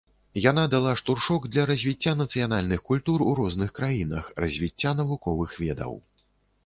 Яна дала штуршок для развіцця нацыянальных культур у розных краінах, развіцця навуковых ведаў.